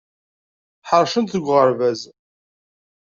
Ḥarcent deg uɣerbaz.